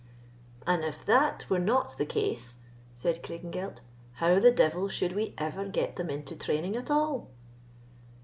"And if that were not the case," said Craigengelt, "how the devil should we ever get them into training at all?"